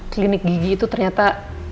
klinik gigi itu ternyata